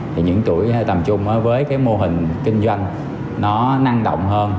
thì những tuổi tầm chung với cái mô hình kinh doanh nó năng động hơn